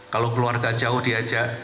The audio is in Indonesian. kalau keluarga jauh diajak